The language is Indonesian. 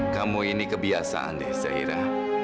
kamu ini kebiasaan deh zaira